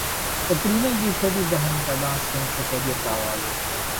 کترینہ کی چھوٹی بہن کا ڈانس فلم سے کیریئر کا اغاز